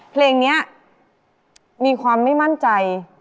โปรดติดตามต่อไป